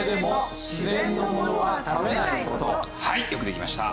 はいよくできました。